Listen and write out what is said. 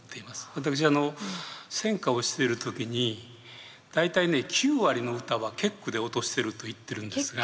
私選歌をしている時に大体９割の歌は結句で落としてると言ってるんですが。